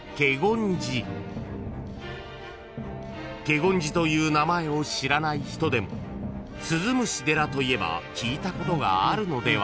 ［華厳寺という名前を知らない人でも「鈴虫寺」と言えば聞いたことがあるのでは？］